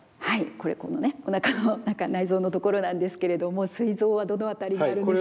これこのねおなかの中内臓のところなんですけれどもすい臓はどの辺りにあるんでしょう？